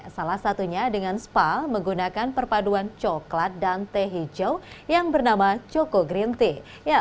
salah satunya dengan spa menggunakan perpaduan coklat dan teh hijau yang bernama choco green tea